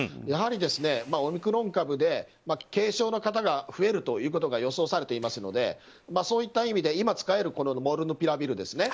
やはりオミクロン株で軽症の方が増えるということが予想されていますのでそういった意味で今使えるモルヌピラビル。